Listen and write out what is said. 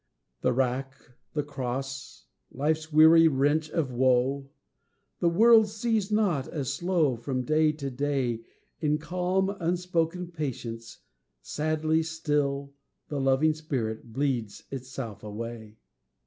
The rack, the cross, life's weary wrench of woe, The world sees not, as slow, from day to day, In calm, unspoken patience, sadly still, The loving spirit bleeds itself away.